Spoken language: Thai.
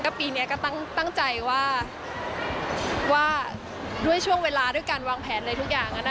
ปีนี้ก็ตั้งใจว่าด้วยช่วงเวลาด้วยการวางแผนอะไรทุกอย่าง